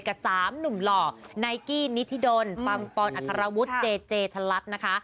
กับ๓หนุ่มหล่อไนกี้นิธิดลปังปอนอัครวุฒิเจเจทะลักนะคะ